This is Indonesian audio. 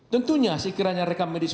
tentunya sikirannya rekam medis